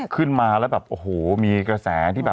ขึ้นมาแล้วแบบโอ้โหมีกระแสที่แบบ